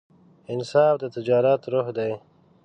انصاف د تجارت روح دی.